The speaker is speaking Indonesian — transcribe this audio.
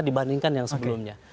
kami akan membandingkan yang sebelumnya